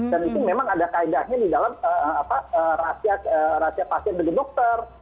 dan itu memang ada kaedahnya di dalam rahasia pasien dengan dokter